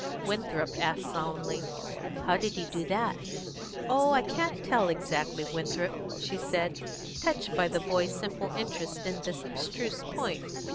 Winthrop asked solemnly, "How did he do that?" "Oh, I can't tell exactly, Winthrop," she said, touched by the boy's simple interest in this abstruse point.